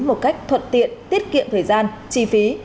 một cách thuận tiện tiết kiệm thời gian chi phí